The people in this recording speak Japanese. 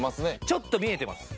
ちょっと見えてます。